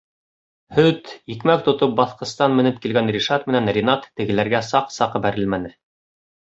Һөт, икмәк тотоп баҫҡыстан менеп килгән Ришат менән Ринат тегеләргә саҡ-саҡ бәрелмәне.